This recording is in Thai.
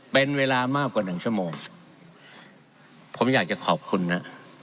เป็นเวลามากกว่าหนึ่งชั่วโมงผมอยากจะขอบคุณนะ